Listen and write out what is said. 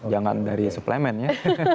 jangan dari suplemen ya